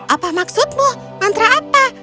apa maksudmu mantra apa